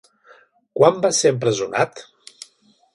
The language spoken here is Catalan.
Quan va ser empresonat?